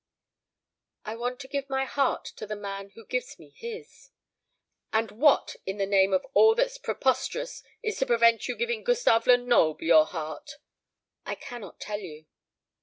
"I want to give my heart to the man who gives me his." "And what, in the name of all that's preposterous, is to prevent you giving Gustave Lenoble your heart?" "I cannot tell you."